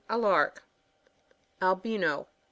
A lark. Albino.